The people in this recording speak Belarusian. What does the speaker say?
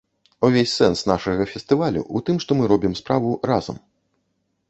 Увесь сэнс нашага фестывалю ў тым, што мы робім справу разам.